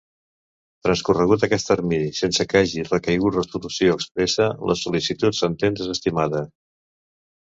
Transcorregut aquest termini sense que hagi recaigut resolució expressa, la sol·licitud s'entén desestimada.